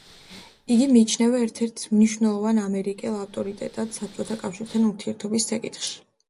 იგი მიიჩნევა ერთ-ერთ მნიშვნელოვან ამერიკელ ავტორიტეტად საბჭოთა კავშირთან ურთიერთობის საკითხებში.